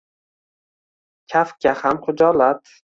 «Kafka ham xijolat!»